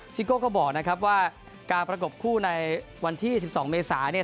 ซิโก้ก็บอกนะครับว่าการประกบคู่ในวันที่๑๒เมษาเนี่ย